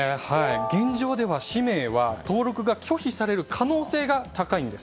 現状では氏名は登録が拒否される可能性が高いんです。